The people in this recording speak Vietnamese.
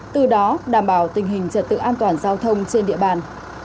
từ đó đảm bảo tình hình trật tự an toàn giao thông trên địa bàn